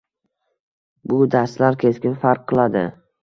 Bu darslar keskin farq qiladi.